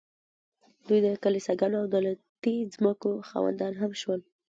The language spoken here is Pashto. دوی د کلیساګانو او دولتي ځمکو خاوندان هم شول